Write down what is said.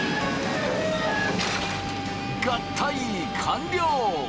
合体完了！